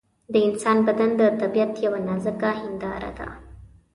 د انسان بدن د طبیعت یوه نازکه هنداره ده.